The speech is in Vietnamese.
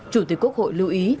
chủ tịch quốc hội lưu ý